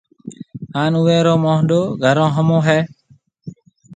ھان اوئيَ رو موھنڏو گھرون ھومو ڪريَ ھيََََ